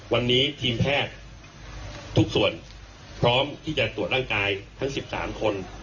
วันนี้ทีมแพทย์ทุกส่วนพร้อมที่จะตรวจร่างกายทั้ง๑๓คน